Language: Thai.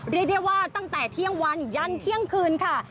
เรียกได้ว่าตั้งแต่เที่ยงวันยันเที่ยงคืนค่ะ